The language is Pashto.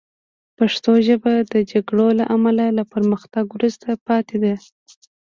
پښتو ژبه د جګړو له امله له پرمختګ وروسته پاتې ده